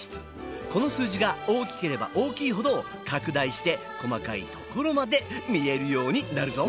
この数字が大きければ大きいほど拡大して細かいところまで見えるようになるぞ！